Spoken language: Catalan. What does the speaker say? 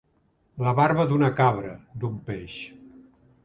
La barba d'una cabra, d'un peix.